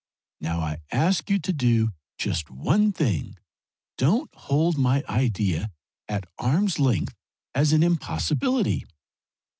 Now I ask you to do just one thing. Don't hold my idea at arm's length as an impossibility.